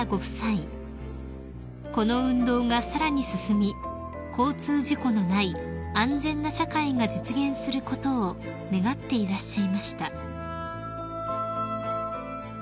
［この運動がさらに進み交通事故のない安全な社会が実現することを願っていらっしゃいました］